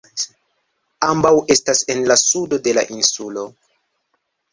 Ambaŭ estas en la sudo de la insulo.